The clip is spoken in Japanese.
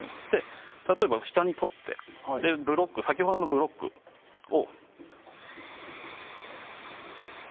例えば下にとって先ほどのブロックを。